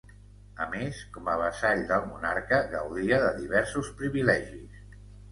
A més com a vassall del monarca gaudia de diversos privilegis.